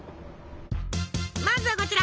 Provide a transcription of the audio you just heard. まずはこちら。